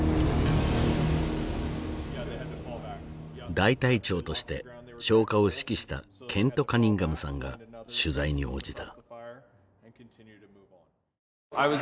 大隊長として消火を指揮したケント・カニンガムさんが取材に応じた。